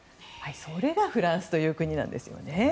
それがフランスという国なんですよね。